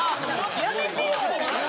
やめてよ。